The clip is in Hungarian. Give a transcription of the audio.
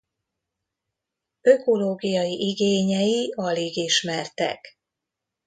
Ökológiai igényei alig ismertek.